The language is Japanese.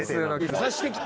さしてきた。